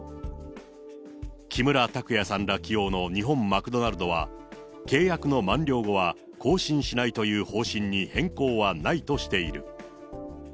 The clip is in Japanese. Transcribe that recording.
木村拓哉さんら起用の日本マクドナルドは、契約の満了後は更新しないという方針に変更はないとしている。